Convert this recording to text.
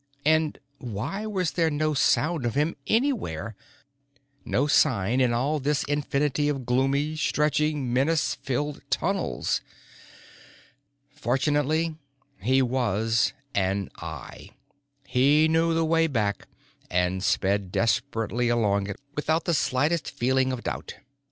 And why was there no sound of him anywhere, no sign in all this infinity of gloomy, stretching, menace filled tunnels? Fortunately, he was an Eye. He knew the way back and sped desperately along it without the slightest feeling of doubt.